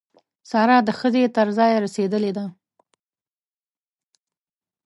سارا د ښځې تر ځایه رسېدلې ده.